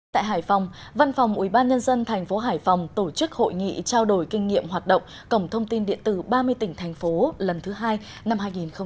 tại hải phòng văn phòng ubnd tp hải phòng tổ chức hội nghị trao đổi kinh nghiệm hoạt động cổng thông tin điện tử ba mươi tỉnh thành phố lần thứ hai năm hai nghìn hai mươi